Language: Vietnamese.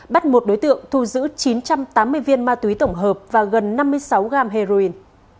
bắt một đối tượng thu giữ chín trăm tám mươi viên ma túy tổng hợp và gần năm mươi sáu gram heroin